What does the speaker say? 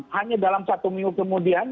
hanya dalam satu minggu kemudian